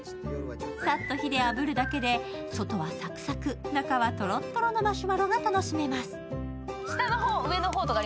さっと火であぶるだけで外はサクサク、中はとろっとろのマシュマロが楽しめます。